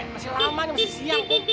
masih lamanya masih siang kum